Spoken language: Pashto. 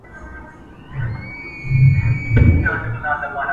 او رنګین بیرغ رپیږي په کتار کي د سیالانو٫